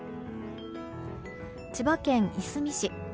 千葉県いすみ市。